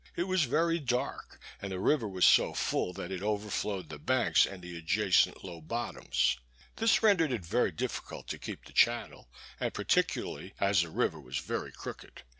It was very dark, and the river was so full that it overflowed the banks and the adjacent low bottoms. This rendered it very difficult to keep the channel, and particularly as the river was very crooked.